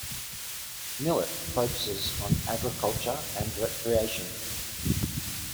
Millet focuses on agriculture and recreation.